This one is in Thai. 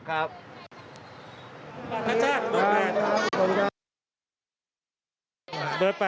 จ้าเปิด๘ครับ